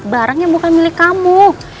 barangnya bukan milik kamu